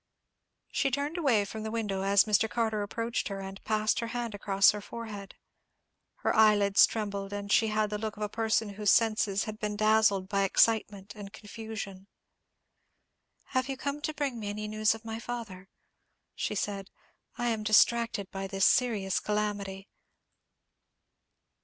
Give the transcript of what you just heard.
She turned away from the window as Mr. Carter approached her, and passed her hand across her forehead. Her eyelids trembled, and she had the look of a person whose senses had been dazed by excitement and confusion. "Have you come to bring me any news of my father?" she said. "I am distracted by this serious calamity."